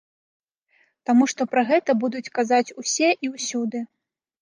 Таму што пра гэта будуць казаць усе і ўсюды.